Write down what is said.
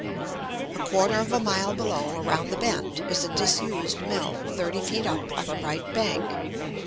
A quarter of a mile below, around the bend, is a disused mill, thirty feet up, on the right bank.